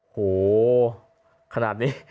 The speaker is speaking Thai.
โหขนาดนี้